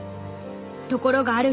ところがある